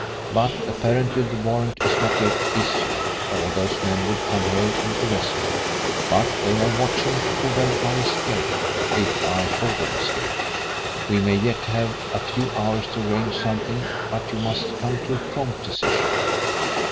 But apparently the warrant is not yet issued, or those men would come here and arrest me. But they are watching to prevent my escape if I thought of escaping. We may yet have a few hours to arrange something, but you must come to a prompt decision."